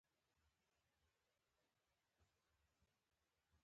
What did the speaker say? دوی بیرته کابل ته ستانه شول.